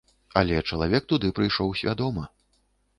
Але чалавек туды прыйшоў свядома.